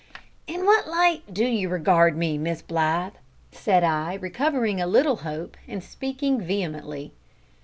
"In what light do you regard me, Miss Blythe?" said I, recovering a little hope, and speaking vehemently.